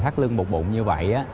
thắt lưng bụt bụng như vậy